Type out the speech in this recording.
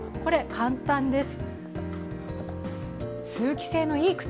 簡単です。